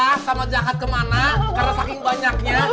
eh kamu termasuk tujuh orang gitu loh dang